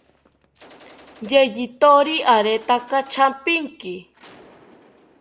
Yeyithori aretaka chapinki